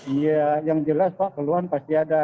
iya yang jelas pak keluhan pasti ada